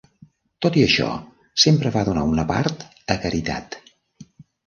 Tot i això, sempre va donar una part a caritat.